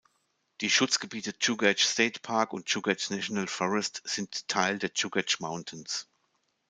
Die Schutzgebiete "Chugach State Park" und "Chugach National Forest" sind Teil der Chugach Mountains.